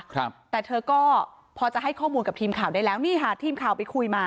ครับแต่เธอก็พอจะให้ข้อมูลกับทีมข่าวได้แล้วนี่ค่ะทีมข่าวไปคุยมา